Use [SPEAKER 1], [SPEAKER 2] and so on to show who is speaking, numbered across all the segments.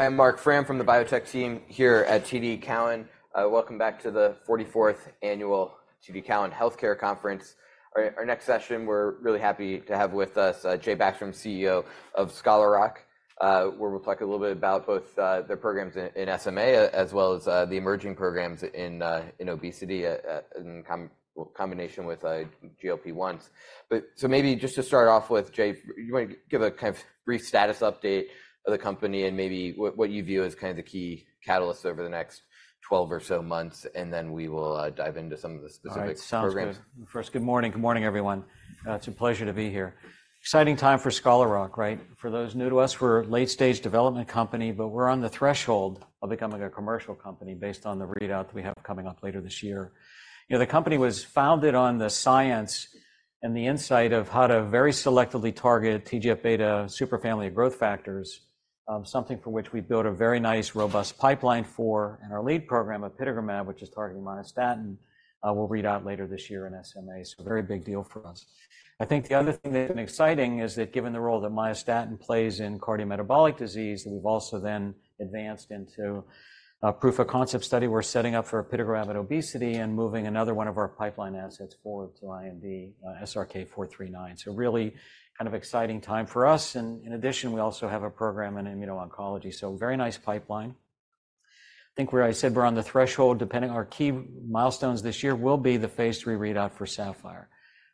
[SPEAKER 1] Hi, I'm Marc Frahm from the biotech team here at TD Cowen. Welcome back to the 44th annual TD Cowen Healthcare Conference. Our next session, we're really happy to have with us Jay Backstrom, CEO of Scholar Rock, where we'll talk a little bit about both their programs in SMA as well as the emerging programs in obesity in combination with GLP-1s. But so maybe just to start off with, Jay, you want to give a kind of brief status update of the company and maybe what you view as kind of the key catalyst over the next 12 or so months, and then we will dive into some of the specific programs.
[SPEAKER 2] All right. Sounds good. First, good morning. Good morning, everyone. It's a pleasure to be here. Exciting time for Scholar Rock, right? For those new to us, we're a late-stage development company, but we're on the threshold of becoming a commercial company based on the readout that we have coming up later this year. The company was founded on the science and the insight of how to very selectively target TGF-beta superfamily growth factors, something for which we built a very nice, robust pipeline for. And our lead program, apitegromab, which is targeting myostatin, will read out later this year in SMA. So very big deal for us. I think the other thing that's been exciting is that, given the role that myostatin plays in cardiometabolic disease, that we've also then advanced into a proof of concept study. We're setting up for apitegromab and obesity and moving another one of our pipeline assets forward to IND SRK-439. Really kind of exciting time for us. In addition, we also have a program in immuno-oncology. Very nice pipeline. I think where I said we're on the threshold, depending on our key milestones this year, will be the phase III readout for SAPPHIRE.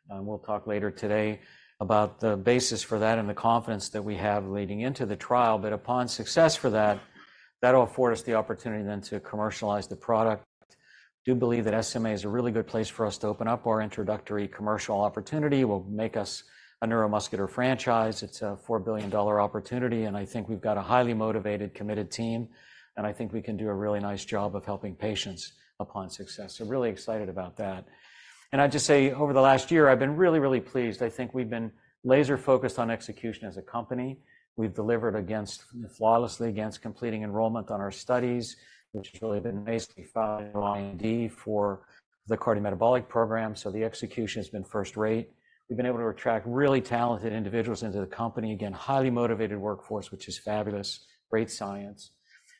[SPEAKER 2] We'll talk later today about the basis for that and the confidence that we have leading into the trial. But upon success for that, that will afford us the opportunity then to commercialize the product. I do believe that SMA is a really good place for us to open up our introductory commercial opportunity. That'll make us a neuromuscular franchise. It's a $4 billion opportunity. And I think we've got a highly motivated, committed team. And I think we can do a really nice job of helping patients upon success. So really excited about that. And I'd just say, over the last year, I've been really, really pleased. I think we've been laser-focused on execution as a company. We've delivered flawlessly against completing enrollment on our studies, which has really been nicely followed in IND for the cardiometabolic program. So the execution has been first rate. We've been able to attract really talented individuals into the company. Again, highly motivated workforce, which is fabulous. Great science.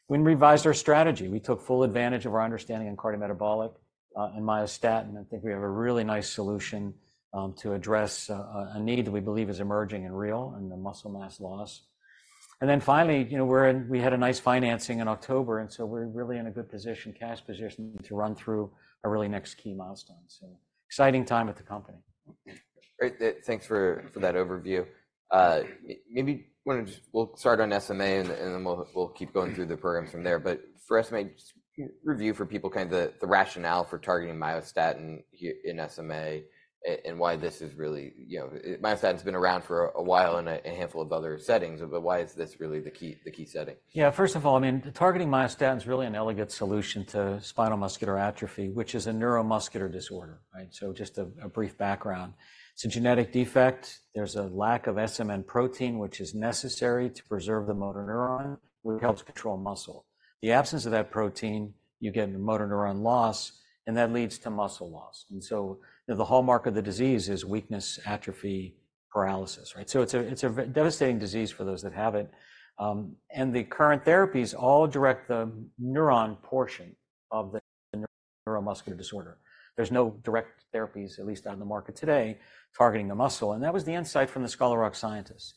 [SPEAKER 2] We revised our strategy. We took full advantage of our understanding of cardiometabolic and myostatin. I think we have a really nice solution to address a need that we believe is emerging and real, and the muscle mass loss. And then finally, we had a nice financing in October. And so we're really in a good position, cash position, to run through our really next key milestone. So exciting time with the company.
[SPEAKER 1] Great. Thanks for that overview. Maybe we'll start on SMA, and then we'll keep going through the programs from there. But for us, maybe just review for people kind of the rationale for targeting myostatin here in SMA and why this is really. Myostatin has been around for a while in a handful of other settings, but why is this really the key setting?
[SPEAKER 2] Yeah. First of all, I mean, targeting myostatin is really an elegant solution to Spinal Muscular Atrophy, which is a neuromuscular disorder, right? So just a brief background. It's a genetic defect. There's a lack of SMN protein, which is necessary to preserve the motor neuron, which helps control muscle. The absence of that protein, you get motor neuron loss, and that leads to muscle loss. And so the hallmark of the disease is weakness, atrophy, paralysis, right? So it's a devastating disease for those that have it. And the current therapies all direct the neuron portion of the neuromuscular disorder. There's no direct therapies, at least on the market today, targeting the muscle. And that was the insight from the Scholar Rock scientists.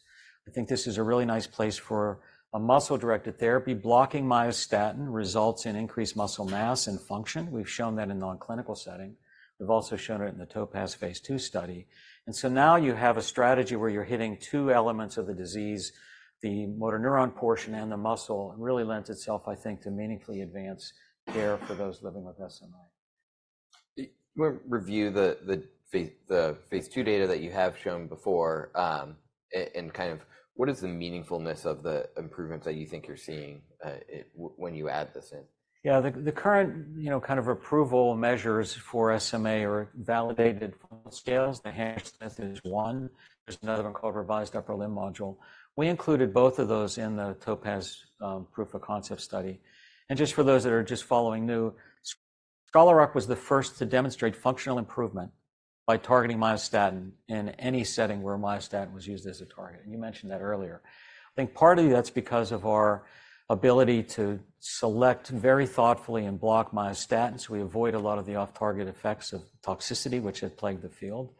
[SPEAKER 2] I think this is a really nice place for a muscle-directed therapy. Blocking myostatin results in increased muscle mass and function. We've shown that in the non-clinical setting. We've also shown it in the TOPAZ phase II study. And so now you have a strategy where you're hitting two elements of the disease, the motor neuron portion and the muscle, and really lends itself, I think, to meaningfully advance care for those living with SMA.
[SPEAKER 1] I want to review the phase II data that you have shown before. And kind of what is the meaningfulness of the improvements that you think you're seeing when you add this in?
[SPEAKER 2] Yeah. The current kind of approval measures for SMA are validated scales. The Hammersmith Functional Motor Scale Expanded is one. There's another one called Revised Upper Limb Module. We included both of those in the TOPAZ proof-of-concept study. And just for those that are just following new, Scholar Rock was the first to demonstrate functional improvement by targeting myostatin in any setting where myostatin was used as a target. And you mentioned that earlier. I think partly that's because of our ability to select very thoughtfully and block myostatin. So we avoid a lot of the off-target effects of toxicity, which had plagued the field.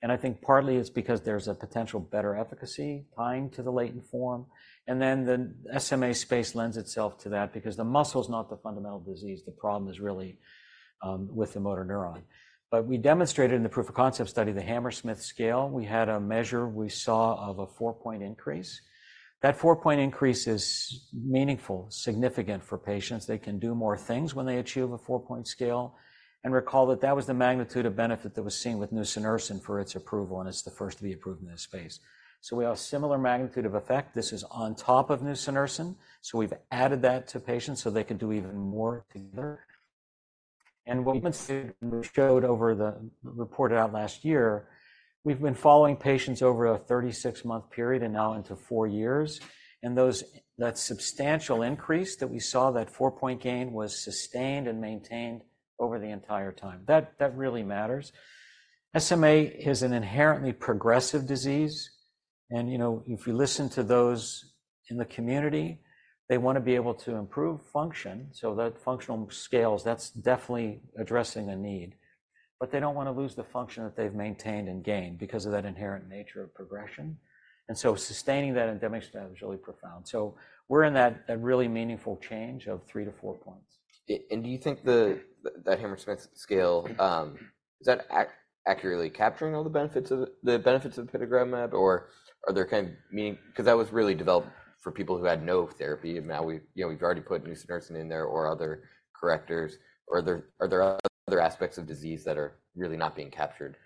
[SPEAKER 2] And I think partly it's because there's a potential better efficacy tying to the latent form. And then the SMA space lends itself to that because the muscle is not the fundamental disease. The problem is really with the motor neuron. But we demonstrated in the proof of concept study the Hammersmith scale. We had a measure we saw of a four-point increase. That four-point increase is meaningful, significant for patients. They can do more things when they achieve a four-point scale. And recall that that was the magnitude of benefit that was seen with nusinersen for its approval. And it's the first to be approved in this space. So we have a similar magnitude of effect. This is on top of nusinersen. So we've added that to patients so they can do even more together. And what we showed over the reported out last year, we've been following patients over a 36-month period and now into four years. And that substantial increase that we saw, that four-point gain, was sustained and maintained over the entire time. That really matters. SMA is an inherently progressive disease. If you listen to those in the community, they want to be able to improve function. That functional scales, that's definitely addressing the need. They don't want to lose the function that they've maintained and gained because of that inherent nature of progression. Sustaining that endemic status is really profound. We're in that really meaningful change of 3-4 points.
[SPEAKER 1] And do you think that Hammersmith scale, is that accurately capturing all the benefits of the apitegromab, or are there kind of meaning because that was really developed for people who had no therapy. And now we've already put nusinersen in there or other correctors. Or are there other aspects of disease that are really not being captured?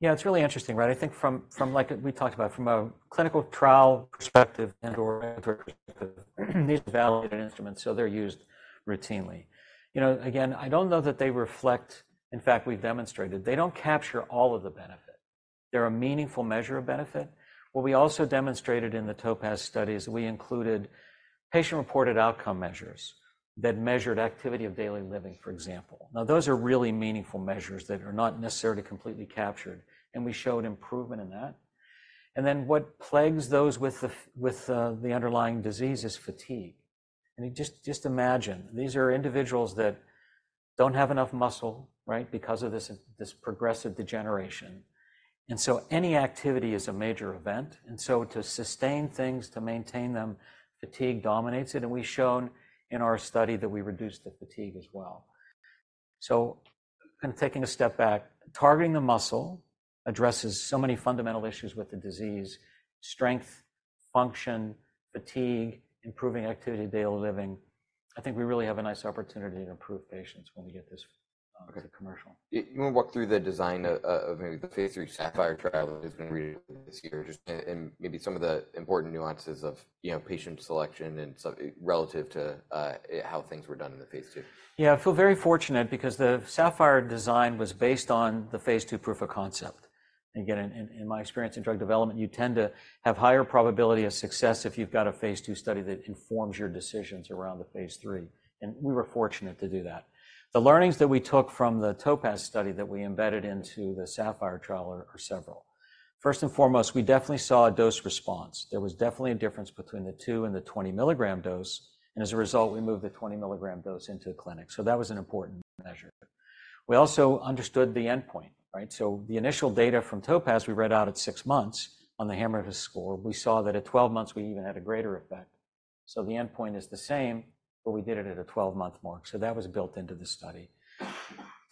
[SPEAKER 2] Yeah. It's really interesting, right? I think from, like we talked about, from a clinical trial perspective and/or regulatory perspective, these are validated instruments. So they're used routinely. Again, I don't know that they reflect in fact, we've demonstrated, they don't capture all of the benefit. They're a meaningful measure of benefit. What we also demonstrated in the TOPAZ study is we included patient-reported outcome measures that measured activity of daily living, for example. Now, those are really meaningful measures that are not necessarily completely captured. And we showed improvement in that. And then what plagues those with the underlying disease is fatigue. And just imagine, these are individuals that don't have enough muscle, right, because of this progressive degeneration. And so any activity is a major event. And so to sustain things, to maintain them, fatigue dominates it. We've shown in our study that we reduced the fatigue as well. Kind of taking a step back, targeting the muscle addresses so many fundamental issues with the disease: strength, function, fatigue, improving activity of daily living. I think we really have a nice opportunity to improve patients when we get this commercial.
[SPEAKER 1] You want to walk through the design of maybe the phase III SAPPHIRE trial that has been read this year, just and maybe some of the important nuances of patient selection and relative to how things were done in the phase II?
[SPEAKER 2] Yeah. I feel very fortunate because the SAPPHIRE design was based on the phase II proof of concept. Again, in my experience in drug development, you tend to have higher probability of success if you've got a phase II study that informs your decisions around the phase III. We were fortunate to do that. The learnings that we took from the TOPAZ study that we embedded into the SAPPHIRE trial are several. First and foremost, we definitely saw a dose response. There was definitely a difference between the 2 and the 20 milligram dose. As a result, we moved the 20 milligram dose into the clinic. So that was an important measure. We also understood the endpoint, right? So the initial data from TOPAZ, we read out at six months on the Hammersmith score. We saw that at 12 months, we even had a greater effect. So the endpoint is the same, but we did it at a 12-month mark. So that was built into the study.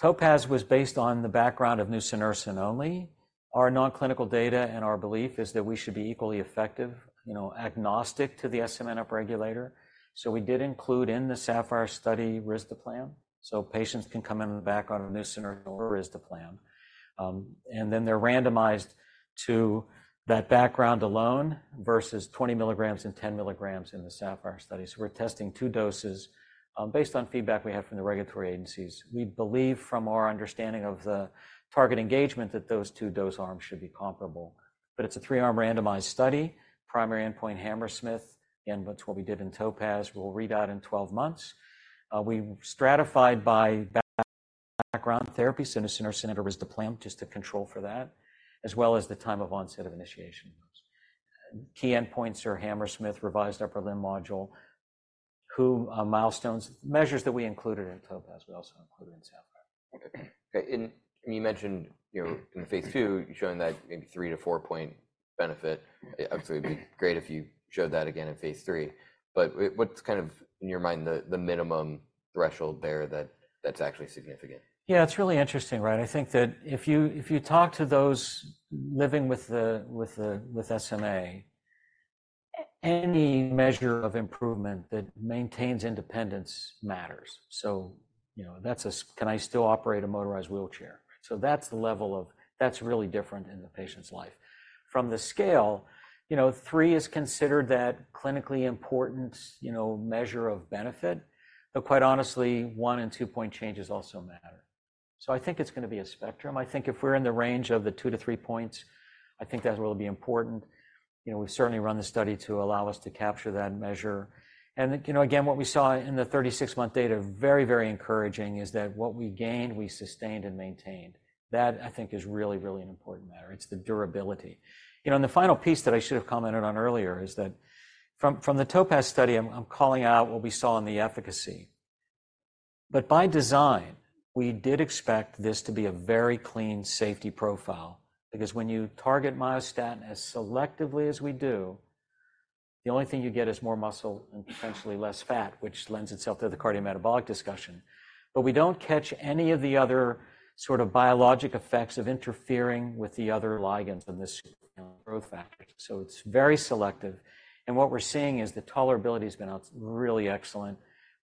[SPEAKER 2] TOPAZ was based on the background of nusinersen only. Our non-clinical data and our belief is that we should be equally effective, agnostic to the SMN upregulator. So we did include in the SAPPHIRE study risdiplam. So patients can come in on the background of nusinersen or risdiplam. And then they're randomized to that background alone versus 20 milligrams and 10 milligrams in the SAPPHIRE study. So we're testing two doses based on feedback we have from the regulatory agencies. We believe, from our understanding of the target engagement, that those two dose arms should be comparable. But it's a three-arm randomized study. Primary endpoint Hammersmith, again, what we did in TOPAZ. We'll read out in 12 months. We stratified by background therapy, so nusinersen and risdiplam, just to control for that, as well as the time of onset of initiation of those. Key endpoints are Hammersmith, Revised Upper Limb Module, WHO milestones, measures that we included in TOPAZ. We also included in SAPPHIRE.
[SPEAKER 1] Okay. You mentioned in phase II, you're showing that maybe 3-4-point benefit. Obviously, it'd be great if you showed that again in phase III. But what's kind of, in your mind, the minimum threshold there that's actually significant?
[SPEAKER 2] Yeah. It's really interesting, right? I think that if you talk to those living with SMA, any measure of improvement that maintains independence matters. So that's a, "Can I still operate a motorized wheelchair?" So that's the level of that's really different in the patient's life. From the scale, three is considered that clinically important measure of benefit. But quite honestly, one and two-point changes also matter. So I think it's going to be a spectrum. I think if we're in the range of the two to three points, I think that will be important. We've certainly run the study to allow us to capture that measure. And again, what we saw in the 36-month data, very, very encouraging, is that what we gained, we sustained and maintained. That, I think, is really, really an important matter. It's the durability. The final piece that I should have commented on earlier is that from the TOPAZ study, I'm calling out what we saw in the efficacy. But by design, we did expect this to be a very clean safety profile. Because when you target myostatin as selectively as we do, the only thing you get is more muscle and potentially less fat, which lends itself to the cardiometabolic discussion. But we don't catch any of the other sort of biologic effects of interfering with the other ligands and this growth factor. So it's very selective. And what we're seeing is the tolerability has been really excellent.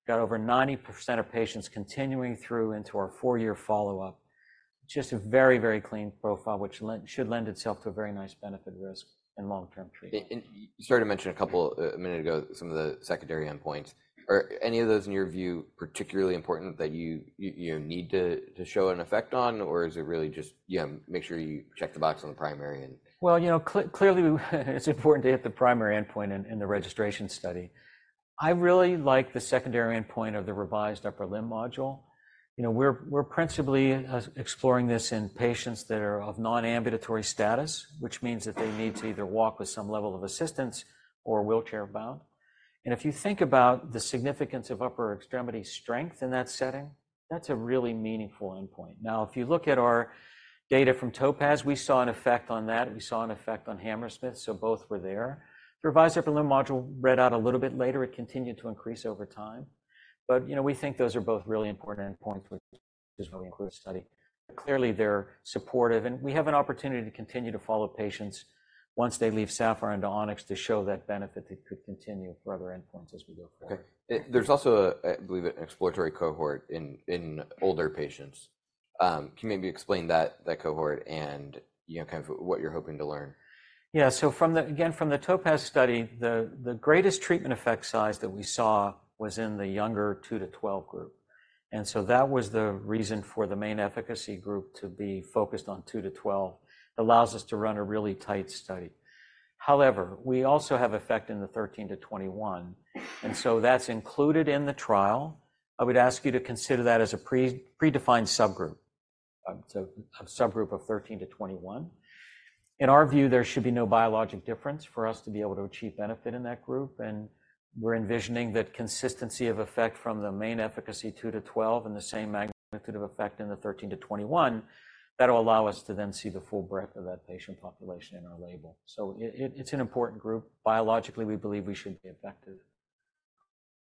[SPEAKER 2] We've got over 90% of patients continuing through into our four-year follow-up. Just a very, very clean profile, which should lend itself to a very nice benefit risk and long-term treatment.
[SPEAKER 1] You started to mention a couple a minute ago, some of the secondary endpoints. Are any of those, in your view, particularly important that you need to show an effect on? Or is it really just make sure you check the box on the primary and?
[SPEAKER 2] Well, clearly, it's important to hit the primary endpoint in the registration study. I really like the secondary endpoint of the Revised Upper Limb Module. We're principally exploring this in patients that are of non-ambulatory status, which means that they need to either walk with some level of assistance or wheelchair-bound. And if you think about the significance of upper extremity strength in that setting, that's a really meaningful endpoint. Now, if you look at our data from TOPAZ, we saw an effect on that. We saw an effect on Hammersmith. So both were there. The Revised Upper Limb Module read out a little bit later. It continued to increase over time. But we think those are both really important endpoints, which is why we included the study. But clearly, they're supportive. We have an opportunity to continue to follow patients once they leave SAPPHIRE into ONYX to show that benefit that could continue for other endpoints as we go forward.
[SPEAKER 1] Okay. There's also, I believe, an exploratory cohort in older patients. Can you maybe explain that cohort and kind of what you're hoping to learn?
[SPEAKER 2] Yeah. So again, from the TOPAZ study, the greatest treatment effect size that we saw was in the younger 2-12 group. And so that was the reason for the main efficacy group to be focused on 2-12. It allows us to run a really tight study. However, we also have effect in the 13-21. And so that's included in the trial. I would ask you to consider that as a predefined subgroup, a subgroup of 13-21. In our view, there should be no biologic difference for us to be able to achieve benefit in that group. And we're envisioning that consistency of effect from the main efficacy 2-12 and the same magnitude of effect in the 13-21, that'll allow us to then see the full breadth of that patient population in our label. So it's an important group. Biologically, we believe we should be effective.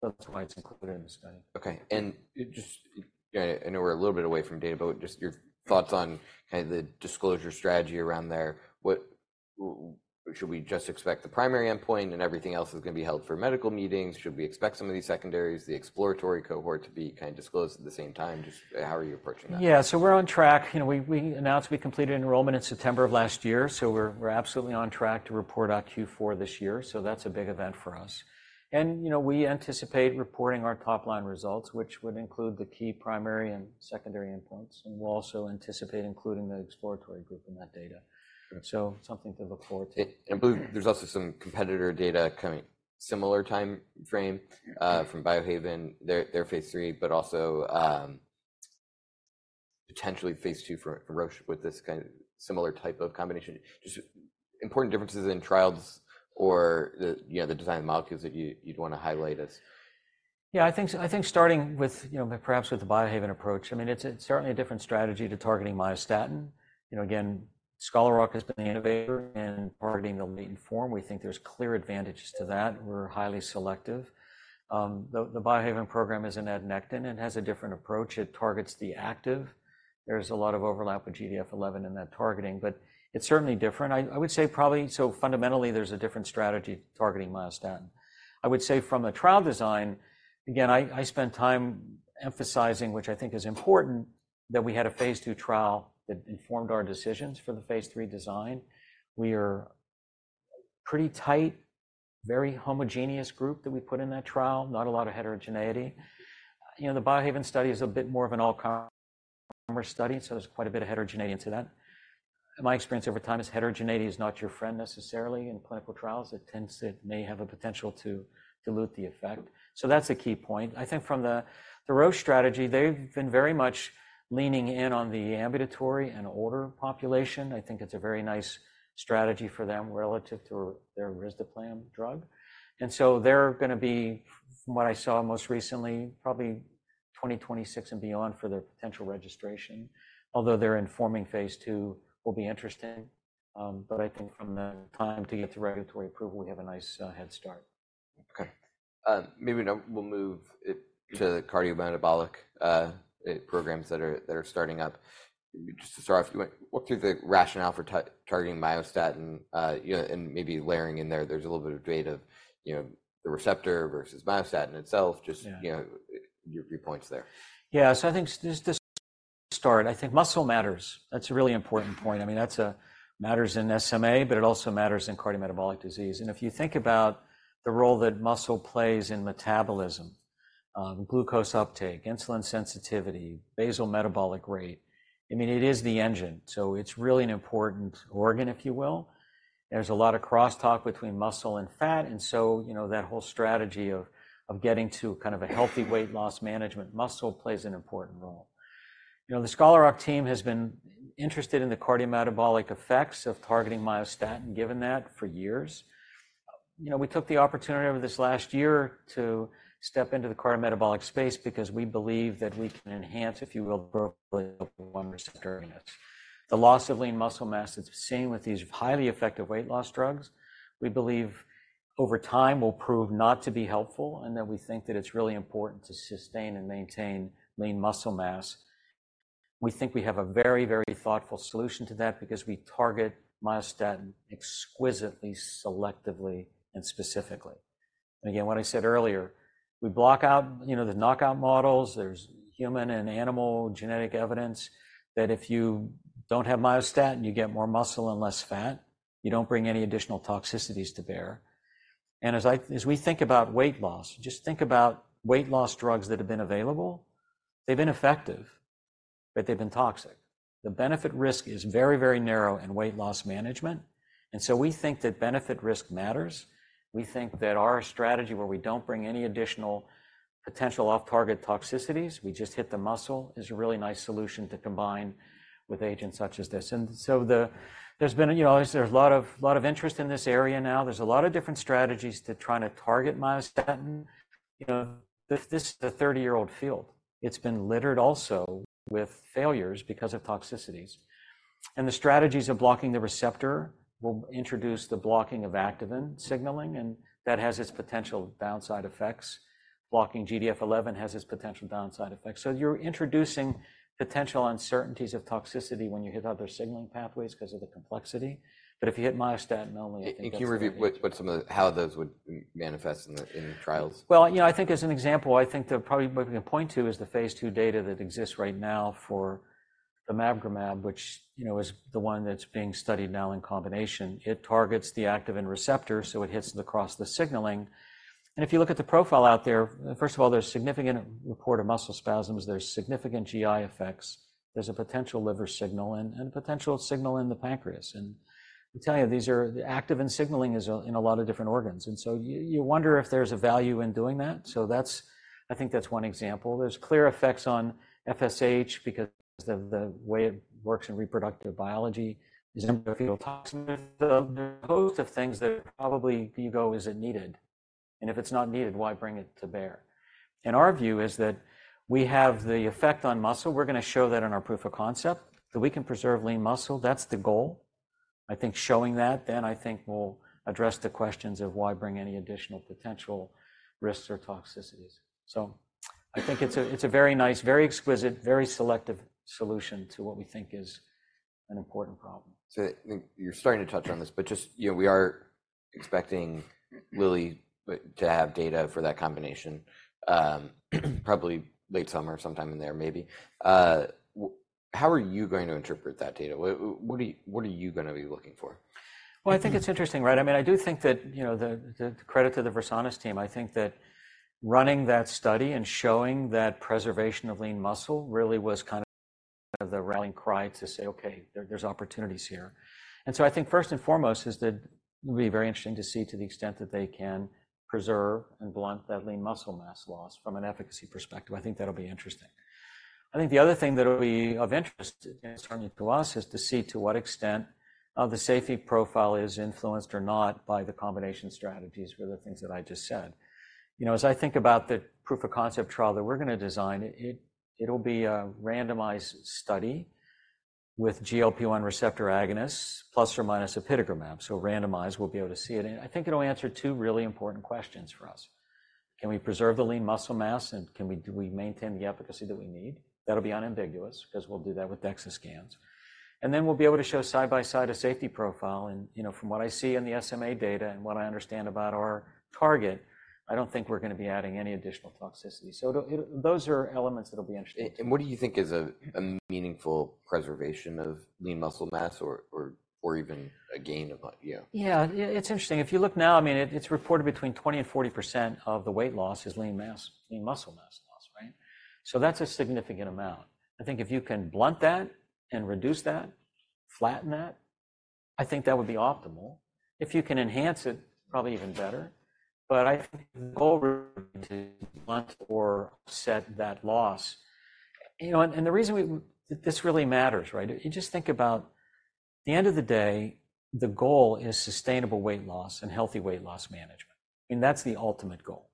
[SPEAKER 2] So that's why it's included in the study.
[SPEAKER 1] Okay. And just, I know we're a little bit away from data, but just your thoughts on kind of the disclosure strategy around there. Should we just expect the primary endpoint and everything else is going to be held for medical meetings? Should we expect some of these secondaries, the exploratory cohort, to be kind of disclosed at the same time? Just how are you approaching that?
[SPEAKER 2] Yeah. So we're on track. We announced we completed enrollment in September of last year. So we're absolutely on track to report out Q4 this year. So that's a big event for us. And we anticipate reporting our top-line results, which would include the key primary and secondary endpoints. And we'll also anticipate including the exploratory group in that data. So something to look forward to.
[SPEAKER 1] I believe there's also some competitor data coming similar time frame from Biohaven. They're phase III, but also potentially phase II for Roche with this kind of similar type of combination. Just important differences in trials or the design of the molecules that you'd want to highlight as?
[SPEAKER 2] Yeah. I think starting with perhaps with the Biohaven approach, I mean, it's certainly a different strategy to targeting myostatin. Again, Scholar Rock has been the innovator in targeting the latent form. We think there's clear advantages to that. We're highly selective. The Biohaven program is an Adnectin and has a different approach. It targets the active. There's a lot of overlap with GDF11 in that targeting. But it's certainly different. I would say probably so fundamentally, there's a different strategy targeting myostatin. I would say from a trial design, again, I spent time emphasizing, which I think is important, that we had a phase II trial that informed our decisions for the phase III design. We are a pretty tight, very homogeneous group that we put in that trial, not a lot of heterogeneity. The Biohaven study is a bit more of an all-comers study. So there's quite a bit of heterogeneity into that. My experience over time is heterogeneity is not your friend necessarily in clinical trials. It may have a potential to dilute the effect. So that's a key point. I think from the Roche strategy, they've been very much leaning in on the ambulatory and older population. I think it's a very nice strategy for them relative to their risdiplam drug. And so they're going to be, from what I saw most recently, probably 2026 and beyond for their potential registration, although their informing phase II will be interesting. But I think from the time to get to regulatory approval, we have a nice head start.
[SPEAKER 1] Okay. Maybe we'll move to the cardiometabolic programs that are starting up. Just to start off, if you want to walk through the rationale for targeting myostatin and maybe layering in there, there's a little bit of debate of the receptor versus myostatin itself. Just your viewpoints there.
[SPEAKER 2] Yeah. So I think there's this start. I think muscle matters. That's a really important point. I mean, that matters in SMA, but it also matters in cardiometabolic disease. And if you think about the role that muscle plays in metabolism, glucose uptake, insulin sensitivity, basal metabolic rate, I mean, it is the engine. So it's really an important organ, if you will. There's a lot of crosstalk between muscle and fat. And so that whole strategy of getting to kind of a healthy weight loss management, muscle plays an important role. The Scholar Rock team has been interested in the cardiometabolic effects of targeting myostatin, given that, for years. We took the opportunity over this last year to step into the cardiometabolic space because we believe that we can enhance, if you will, the receptor readiness. The loss of lean muscle mass that's seen with these highly effective weight loss drugs, we believe over time will prove not to be helpful and that we think that it's really important to sustain and maintain lean muscle mass. We think we have a very, very thoughtful solution to that because we target myostatin exquisitely, selectively, and specifically. And again, what I said earlier, we block out the knockout models. There's human and animal genetic evidence that if you don't have myostatin, you get more muscle and less fat. You don't bring any additional toxicities to bear. And as we think about weight loss, just think about weight loss drugs that have been available. They've been effective, but they've been toxic. The benefit risk is very, very narrow in weight loss management. And so we think that benefit risk matters. We think that our strategy where we don't bring any additional potential off-target toxicities, we just hit the muscle, is a really nice solution to combine with agents such as this. And so there's been a lot of interest in this area now. There's a lot of different strategies to trying to target myostatin. This is a 30-year-old field. It's been littered also with failures because of toxicities. And the strategies of blocking the receptor will introduce the blocking of activin signaling. And that has its potential downside effects. Blocking GDF11 has its potential downside effects. So you're introducing potential uncertainties of toxicity when you hit other signaling pathways because of the complexity. But if you hit myostatin only, I think that's the.
[SPEAKER 1] Can you review how those would manifest in trials?
[SPEAKER 2] Well, I think as an example, I think probably what we can point to is the phase II data that exists right now for the bimagrumab, which is the one that's being studied now in combination. It targets the activin receptor, so it hits across the signaling. And if you look at the profile out there, first of all, there's a significant report of muscle spasms. There's significant GI effects. There's a potential liver signal and a potential signal in the pancreas. And I'll tell you, activin signaling is in a lot of different organs. And so you wonder if there's a value in doing that. So I think that's one example. There's clear effects on FSH because of the way it works in reproductive biology. There's a number of fetal toxins. So a host of things that probably you go, "Is it needed?" And if it's not needed, why bring it to bear? And our view is that we have the effect on muscle. We're going to show that in our proof of concept that we can preserve lean muscle. That's the goal. I think showing that, then I think we'll address the questions of why bring any additional potential risks or toxicities. So I think it's a very nice, very exquisite, very selective solution to what we think is an important problem.
[SPEAKER 1] You're starting to touch on this, but just, we are expecting Lilly to have data for that combination probably late summer, sometime in there, maybe. How are you going to interpret that data? What are you going to be looking for?
[SPEAKER 2] Well, I think it's interesting, right? I mean, I do think that the credit to the Versanis team. I think that running that study and showing that preservation of lean muscle really was kind of the rallying cry to say, "Okay, there's opportunities here." And so I think first and foremost is that it'll be very interesting to see to the extent that they can preserve and blunt that lean muscle mass loss from an efficacy perspective. I think that'll be interesting. I think the other thing that'll be of interest in turning to us is to see to what extent the safety profile is influenced or not by the combination strategies for the things that I just said. As I think about the proof of concept trial that we're going to design, it'll be a randomized study with GLP-1 receptor agonists plus or minus an apitegromab. Randomized, we'll be able to see it. I think it'll answer two really important questions for us. Can we preserve the lean muscle mass? Do we maintain the efficacy that we need? That'll be unambiguous because we'll do that with DEXA scans. Then we'll be able to show side by side a safety profile. From what I see in the SMA data and what I understand about our target, I don't think we're going to be adding any additional toxicity. Those are elements that'll be interesting.
[SPEAKER 1] What do you think is a meaningful preservation of lean muscle mass or even a gain of?
[SPEAKER 2] Yeah. It's interesting. If you look now, I mean, it's reported between 20% and 40% of the weight loss is lean mass, lean muscle mass loss, right? So that's a significant amount. I think if you can blunt that and reduce that, flatten that, I think that would be optimal. If you can enhance it, probably even better. But I think the goal is to blunt or set that loss. And the reason this really matters, right? You just think about the end of the day, the goal is sustainable weight loss and healthy weight loss management. I mean, that's the ultimate goal,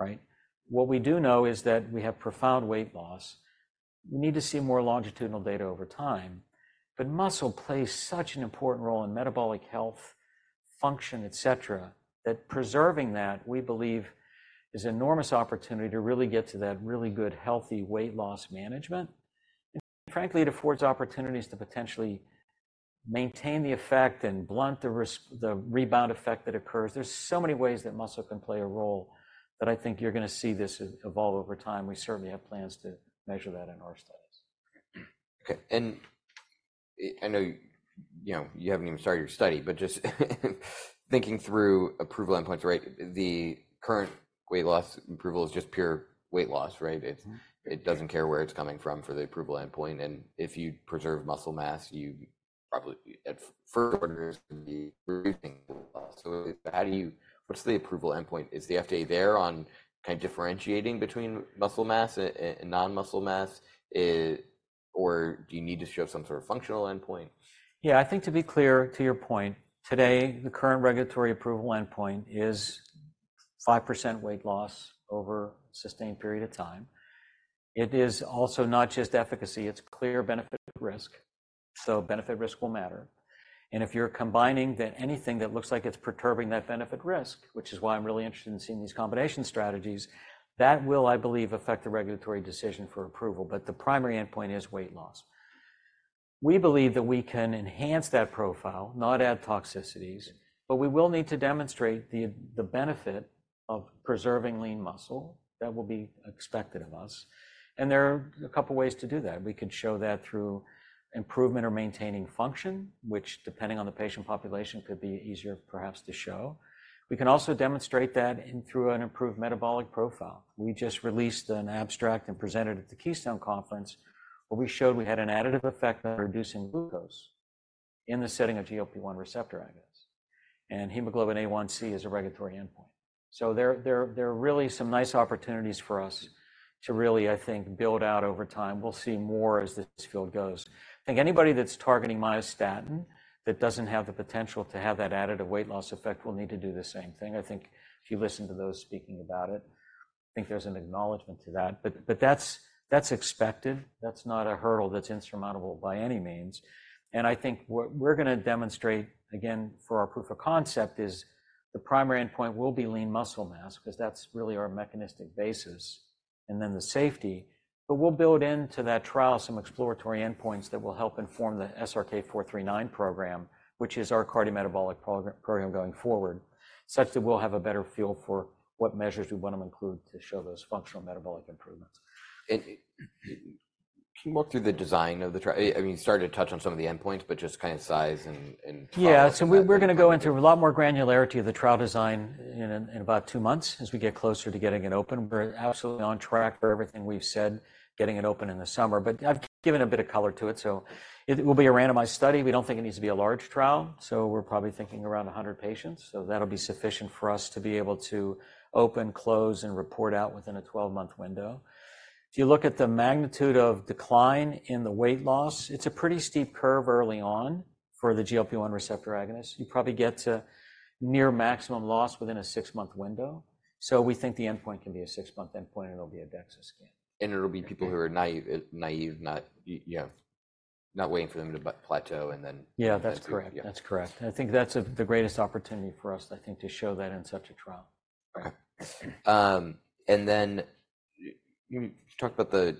[SPEAKER 2] right? What we do know is that we have profound weight loss. We need to see more longitudinal data over time. But muscle plays such an important role in metabolic health, function, et cetera, that preserving that, we believe, is an enormous opportunity to really get to that really good, healthy weight loss management. And frankly, it affords opportunities to potentially maintain the effect and blunt the rebound effect that occurs. There's so many ways that muscle can play a role that I think you're going to see this evolve over time. We certainly have plans to measure that in our studies.
[SPEAKER 1] Okay. And I know you haven't even started your study, but just thinking through approval endpoints, right? The current weight loss approval is just pure weight loss, right? It doesn't care where it's coming from for the approval endpoint. And if you preserve muscle mass, at first, it's going to be loss. So what's the approval endpoint? Is the FDA there on kind of differentiating between muscle mass and non-muscle mass, or do you need to show some sort of functional endpoint?
[SPEAKER 2] Yeah. I think to be clear to your point, today, the current regulatory approval endpoint is 5% weight loss over a sustained period of time. It is also not just efficacy. It's clear benefit risk. So benefit risk will matter. And if you're combining anything that looks like it's perturbing that benefit risk, which is why I'm really interested in seeing these combination strategies, that will, I believe, affect the regulatory decision for approval. But the primary endpoint is weight loss. We believe that we can enhance that profile, not add toxicities, but we will need to demonstrate the benefit of preserving lean muscle that will be expected of us. And there are a couple of ways to do that. We could show that through improvement or maintaining function, which, depending on the patient population, could be easier perhaps to show. We can also demonstrate that through an improved metabolic profile. We just released an abstract and presented it at the Keystone Conference where we showed we had an additive effect on reducing glucose in the setting of GLP-1 receptor agonists. Hemoglobin A1c is a regulatory endpoint. There are really some nice opportunities for us to really, I think, build out over time. We'll see more as this field goes. I think anybody that's targeting myostatin that doesn't have the potential to have that additive weight loss effect will need to do the same thing. I think if you listen to those speaking about it, I think there's an acknowledgment to that. That's expected. That's not a hurdle that's insurmountable by any means. I think what we're going to demonstrate, again, for our proof of concept is the primary endpoint will be lean muscle mass because that's really our mechanistic basis and then the safety. But we'll build into that trial some exploratory endpoints that will help inform the SRK-439 program, which is our cardiometabolic program going forward, such that we'll have a better feel for what measures we want to include to show those functional metabolic improvements.
[SPEAKER 1] Can you walk through the design of the trial? I mean, you started to touch on some of the endpoints, but just kind of size and.
[SPEAKER 2] Yeah. So we're going to go into a lot more granularity of the trial design in about 2 months as we get closer to getting it open. We're absolutely on track for everything we've said, getting it open in the summer. But I've given a bit of color to it. So it will be a randomized study. We don't think it needs to be a large trial. So we're probably thinking around 100 patients. So that'll be sufficient for us to be able to open, close, and report out within a 12-month window. If you look at the magnitude of decline in the weight loss, it's a pretty steep curve early on for the GLP-1 receptor agonist. You probably get to near maximum loss within a six-month window. So we think the endpoint can be a six-month endpoint, and it'll be a DEXA scan.
[SPEAKER 1] It'll be people who are naïve, not waiting for them to plateau and then.
[SPEAKER 2] Yeah. That's correct. That's correct. I think that's the greatest opportunity for us, I think, to show that in such a trial.
[SPEAKER 1] Okay. And then you talked about the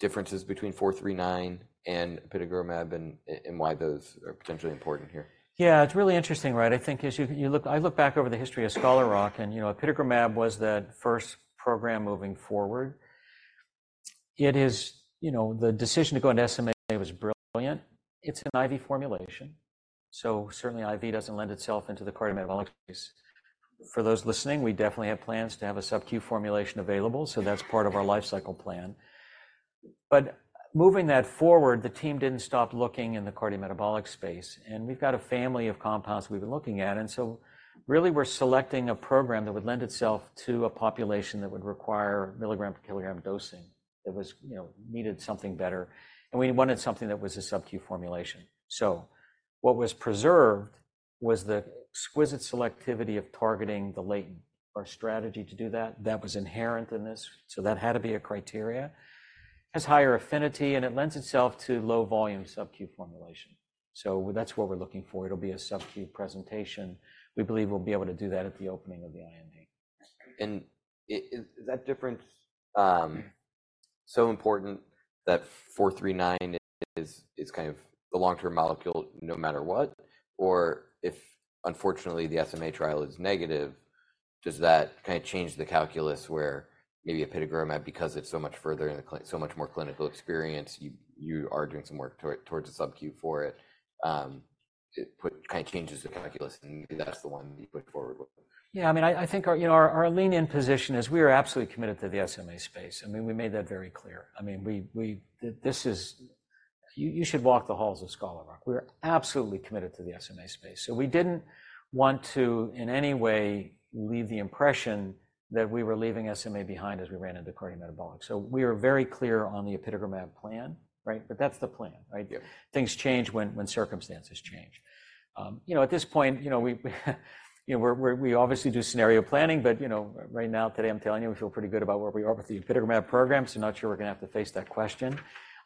[SPEAKER 1] differences between 439 and apitegromab and why those are potentially important here.
[SPEAKER 2] Yeah. It's really interesting, right? I think as you look I look back over the history of Scholar Rock, and apitegromab was that first program moving forward. The decision to go into SMA was brilliant. It's an IV formulation. So certainly, IV doesn't lend itself into the cardiometabolic space. For those listening, we definitely have plans to have a sub-Q formulation available. So that's part of our lifecycle plan. But moving that forward, the team didn't stop looking in the cardiometabolic space. And we've got a family of compounds we've been looking at. And so really, we're selecting a program that would lend itself to a population that would require milligram-per-kilogram dosing that needed something better. And we wanted something that was a sub-Q formulation. So what was preserved was the exquisite selectivity of targeting the latent. Our strategy to do that, that was inherent in this. So that had to be a criteria. It has higher affinity, and it lends itself to low-volume sub-Q formulation. So that's what we're looking for. It'll be a sub-Q presentation. We believe we'll be able to do that at the opening of the IND.
[SPEAKER 1] Is that difference so important that 439 is kind of the long-term molecule no matter what? Or if, unfortunately, the SMA trial is negative, does that kind of change the calculus where maybe apitegromab, because it's so much further in the clinic, so much more clinical experience, you are doing some work towards a sub-Q for it, it kind of changes the calculus, and maybe that's the one that you put forward with?
[SPEAKER 2] Yeah. I mean, I think our lean-in position is we are absolutely committed to the SMA space. I mean, we made that very clear. I mean, you should walk the halls of Scholar Rock. We are absolutely committed to the SMA space. So we didn't want to in any way leave the impression that we were leaving SMA behind as we ran into cardiometabolic. So we are very clear on the apitegromab plan, right? But that's the plan, right? Things change when circumstances change. At this point, we obviously do scenario planning. But right now, today, I'm telling you, we feel pretty good about where we are with the apitegromab program. So I'm not sure we're going to have to face that question.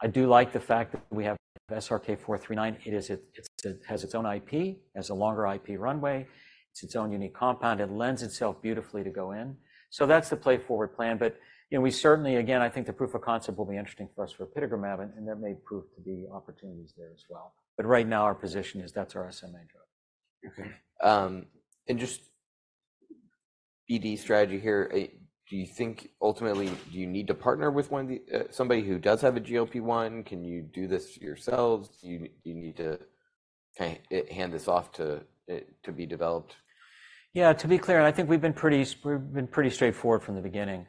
[SPEAKER 2] I do like the fact that we have SRK-439. It has its own IP. It has a longer IP runway. It's its own unique compound. It lends itself beautifully to go in. That's the play forward plan. But we certainly, again, I think the proof of concept will be interesting for us for apitegromab, and there may prove to be opportunities there as well. But right now, our position is that's our SMA drug.
[SPEAKER 1] Okay. And just ED strategy here, do you think ultimately, do you need to partner with somebody who does have a GLP-1? Can you do this yourselves? Do you need to kind of hand this off to be developed?
[SPEAKER 2] Yeah. To be clear, and I think we've been pretty straightforward from the beginning.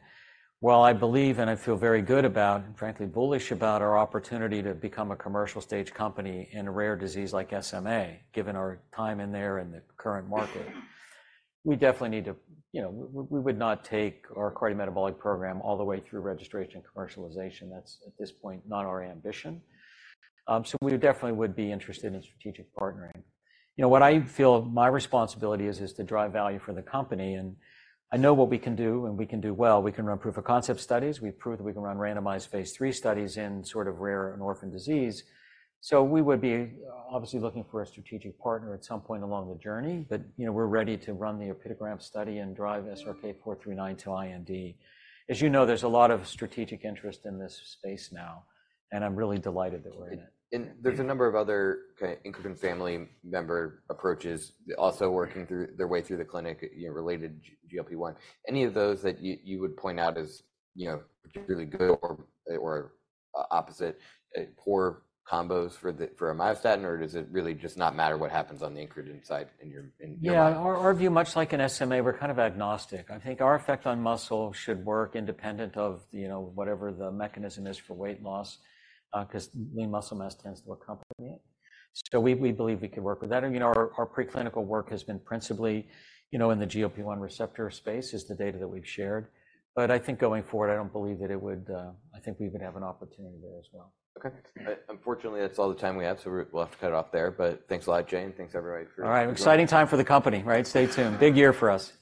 [SPEAKER 2] While I believe and I feel very good about, frankly, bullish about our opportunity to become a commercial stage company in a rare disease like SMA, given our time in there and the current market, we definitely need to, we would not take our cardiometabolic program all the way through registration and commercialization. That's, at this point, not our ambition. So we definitely would be interested in strategic partnering. What I feel my responsibility is is to drive value for the company. And I know what we can do, and we can do well. We can run proof of concept studies. We prove that we can run randomized phase IIIstudies in sort of rare and orphan disease. So we would be obviously looking for a strategic partner at some point along the journey. But we're ready to run the apitegromab study and drive SRK-439 to IND. As you know, there's a lot of strategic interest in this space now. I'm really delighted that we're in it.
[SPEAKER 1] There's a number of other kind of incretin family member approaches also working their way through the clinic related to GLP-1. Any of those that you would point out as particularly good or opposite, poor combos for a myostatin, or does it really just not matter what happens on the incretin side in your mind?
[SPEAKER 2] Yeah. Our view, much like an SMA, we're kind of agnostic. I think our effect on muscle should work independent of whatever the mechanism is for weight loss because lean muscle mass tends to accompany it. So we believe we could work with that. And our preclinical work has been principally in the GLP-1 receptor space is the data that we've shared. But I think going forward, I don't believe that it would I think we would have an opportunity there as well.
[SPEAKER 1] Okay. Unfortunately, that's all the time we have. So we'll have to cut it off there. But thanks a lot, Jay. Thanks, everybody, for.
[SPEAKER 2] All right. Exciting time for the company, right? Stay tuned. Big year for us.